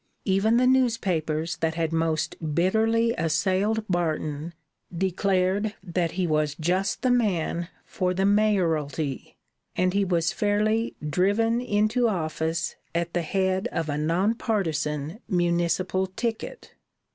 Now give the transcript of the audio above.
Even the newspapers that had most bitterly assailed Barton declared that he was just the man for the mayoralty, and he was fairly driven into office at the head of a non partisan municipal ticket.